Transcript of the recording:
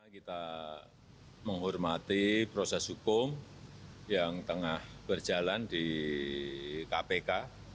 kita menghormati proses hukum yang tengah berjalan di kpk